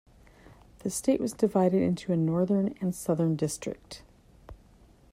The state was divided into a Northern and Southern district.